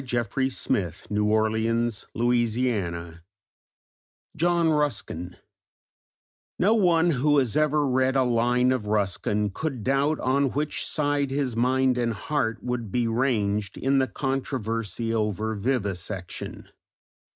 CHAPTER VI: JOHN RUSKIN No one who has ever read a line of Ruskin could doubt on which side his mind and heart would be ranged in the controversy over vivisection.